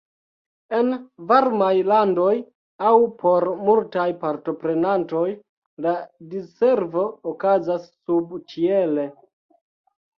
En varmaj landoj aŭ por multaj partoprenantoj la diservo okazas subĉiele.